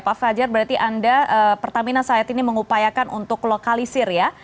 pak fajar berarti anda pertamina saat ini mengupayakan untuk lokalisir ya